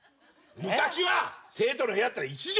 昔は生徒の部屋ってのは１畳だ。